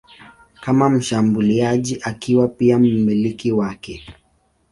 kama mshambuliaji akiwa pia mmiliki wake.